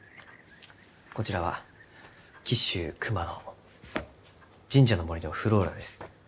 こちらは紀州熊野神社の森のｆｌｏｒａです。